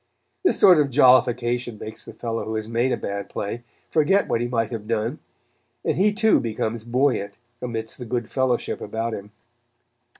This sort of jollification makes the fellow who has made a bad play forget what he might have done, and he too becomes buoyant amidst the good fellowship about him.